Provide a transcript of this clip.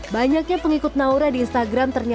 banyaknya pengikut naura di instagram ternyata